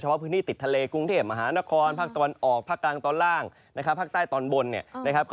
อาหารก่อนยังชิบ